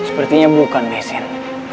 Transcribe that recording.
sepertinya bukan mesin